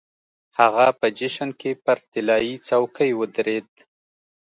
هغه په جشن کې پر طلايي څوکۍ ودرېد.